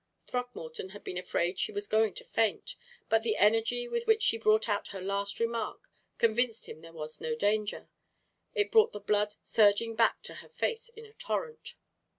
Throckmorton had been afraid she was going to faint, but the energy with which she brought out her last remark convinced him there was no danger. It brought the blood surging back to her face in a torrent.